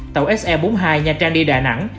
tàu se bốn mươi hai nha trang đi đà nẵng